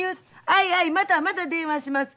はいはいまたまた電話します。